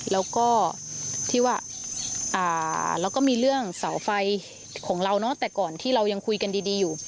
แล้วก็มีเรื่องเสาไฟของเราแต่ก่อนที่เรายังคุยกันดีอยู่